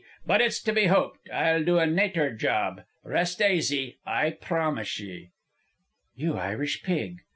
But it's to be hoped I'll do a nater job. Rest aisy. I promise ye." "You Irish pig!"